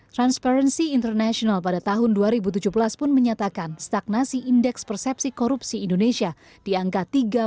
transparency international pada tahun dua ribu tujuh belas pun menyatakan stagnasi indeks persepsi korupsi indonesia di angka tiga puluh